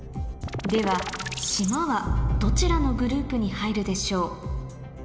では島はどちらのグループに入るでしょう？